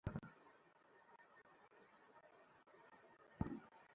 ওই পুলিশি হেলিকপ্টারটা আমাদের দেখেছে।